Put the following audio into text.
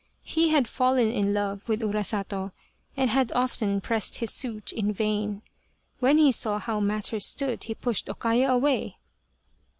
He had fallen in love with Urasato and had often pressed his suit in vain. When he saw how matters stood he pushed O Kaya away.